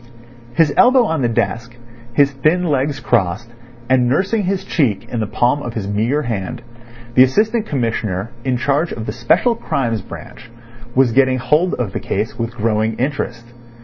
His elbow on the desk, his thin legs crossed, and nursing his cheek in the palm of his meagre hand, the Assistant Commissioner in charge of the Special Crimes branch was getting hold of the case with growing interest.